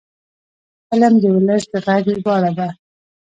فلم د ولس د غږ ژباړه ده